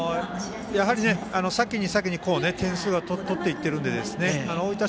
先に先に点数を取っていっているので大分